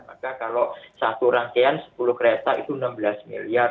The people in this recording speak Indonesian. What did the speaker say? maka kalau satu rangkaian sepuluh kereta itu enam belas miliar